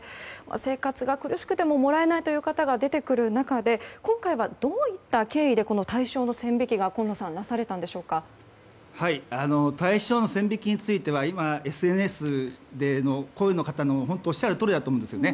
生活が苦しくても、もらえないという方が出てくる中で今野さん、今回はどういった経緯で対象の線引きが対象の線引きについては今、ＳＮＳの声の方のおっしゃるとおりだと思うんです。